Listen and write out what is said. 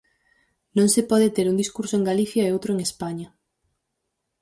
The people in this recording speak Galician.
Non se pode ter un discurso en Galicia e outro en España.